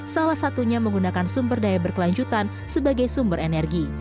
salah satunya menggunakan sumber daya berkelanjutan sebagai sumber energi